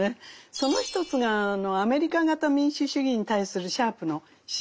その一つがアメリカ型民主主義に対するシャープの姿勢なんですね。